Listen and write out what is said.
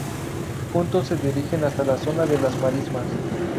Juntos se dirigen hasta la zona de las marismas.